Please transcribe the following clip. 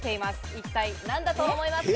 一体何だと思いますか？